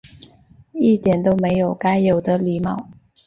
一点都没有该有的礼貌